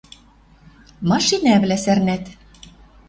Машинӓвлӓ сӓрнӓт.